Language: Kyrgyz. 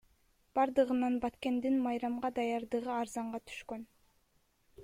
Бардыгынан Баткендин майрамга даярдыгы арзанга түшкөн.